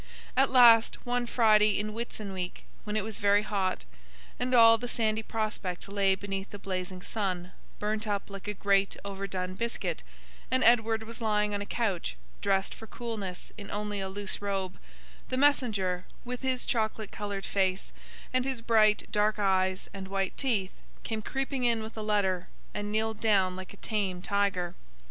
At last, one Friday in Whitsun week, when it was very hot, and all the sandy prospect lay beneath the blazing sun, burnt up like a great overdone biscuit, and Edward was lying on a couch, dressed for coolness in only a loose robe, the messenger, with his chocolate coloured face and his bright dark eyes and white teeth, came creeping in with a letter, and kneeled down like a tame tiger.